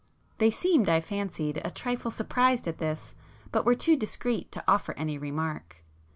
They seemed, I fancied, a trifle surprised at this, but were too discreet to offer any remark.